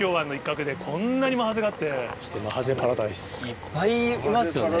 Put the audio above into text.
いっぱいいますよね。